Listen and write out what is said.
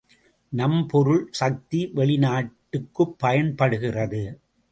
நம் பொருள் சக்தி வெளி நாட்டுக்குப் பயன்படுகிறது.